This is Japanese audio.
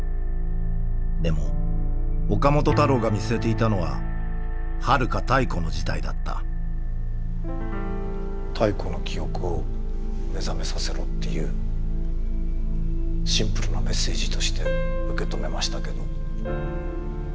でも岡本太郎が見据えていたのははるか太古の時代だった太古の記憶を目覚めさせろっていうシンプルなメッセージとして受け止めましたけど。